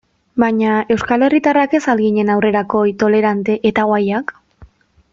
Baina euskal herritarrak ez al ginen aurrerakoi, tolerante eta guayak?